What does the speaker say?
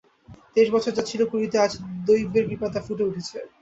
তেইশ বছর যা ছিল কুঁড়িতে, আজ দৈবের কৃপায় তা ফুটে উঠেছে।